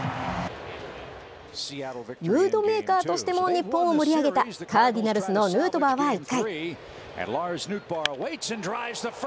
ムードメーカーとしても日本を盛り上げた、カーディナルスのヌートバーは１回。